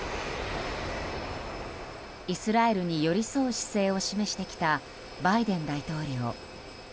イスラエルに寄り添う姿勢を示してきた、バイデン大統領。